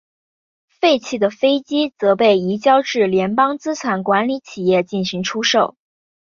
废弃的飞机则被移交至联邦资产管理企业进行出售。